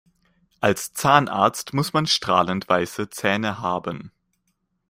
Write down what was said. Als Zahnarzt muss man strahlend weiße Zähne haben.